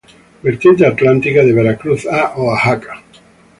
Vertiente Atlántica de Veracruz a Oaxaca.